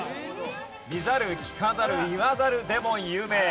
「見ざる聞かざる言わざる」でも有名。